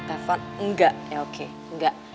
telepon enggak ya oke enggak